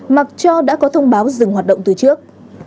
mặc cho đã có thông báo dừng hoạt động từ trước